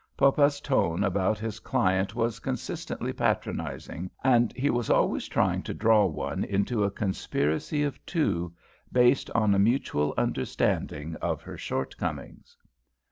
Poppas' tone about his client was consistently patronizing, and he was always trying to draw one into a conspiracy of two, based on a mutual understanding of her shortcomings.